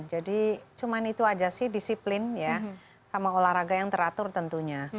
jadi cuma itu aja sih disiplin ya sama olahraga yang teratur tentunya